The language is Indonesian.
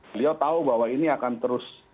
beliau tahu bahwa ini akan terus